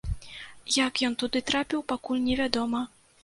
Як ён туды трапіў, пакуль невядома.